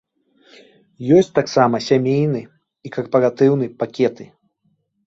Ёсць таксама сямейны і карпаратыўны пакеты.